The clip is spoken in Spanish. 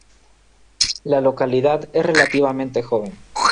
La localidad es relativamente joven.